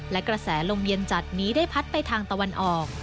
และกระแสลมเย็นจัดนี้ได้พัดไปทางตะวันออก